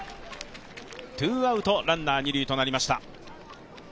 ツーアウトランナー二塁となりました。